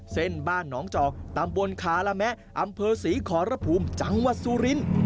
เส้นบ้านหนองจอกตำบลคาระแมะอำเภอศรีขอรภูมิจังหวัดสุรินทร์